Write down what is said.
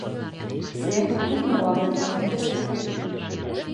Сәйәхәт күпме ваҡыт дауам итәсәк?